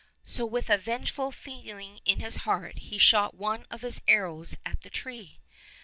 So with a vengeful feeling in his heart he shot one of his arrows at the tree.